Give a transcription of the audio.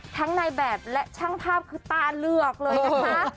ในแบบและช่างภาพคือตาเหลือกเลยนะคะ